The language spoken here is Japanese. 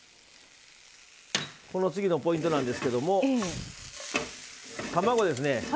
この次のポイントなんですけども卵ですね。